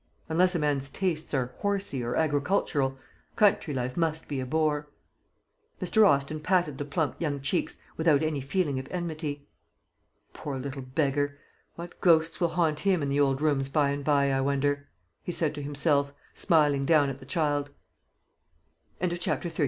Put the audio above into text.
Unless a man's tastes are 'horsey' or agricultural, country life must be a bore." Mr. Austin patted the plump young cheeks without any feeling of enmity. "Poor little beggar! What ghosts will haunt him in the old rooms by and by, I wonder?" he said to himself, smiling down at the child. CHAPTER XXXIV.